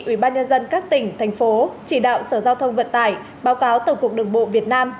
ubnd các tỉnh thành phố chỉ đạo sở giao thông vận tải báo cáo tổng cục đồng bộ việt nam